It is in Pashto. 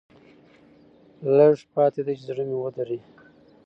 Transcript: لېږ پاتې دي چې زړه مې ودري.